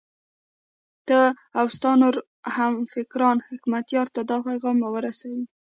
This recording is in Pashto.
ته او ستا نور همفکران حکمتیار ته دا پیغام ورسوئ.